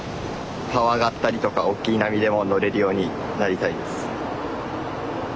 パワーがあったりとかおっきい波でも乗れるようになりたいです。